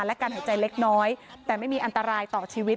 และการหายใจเล็กน้อยแต่ไม่มีอันตรายต่อชีวิต